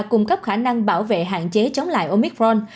cung cấp khả năng bảo vệ hạn chế chống lại omicron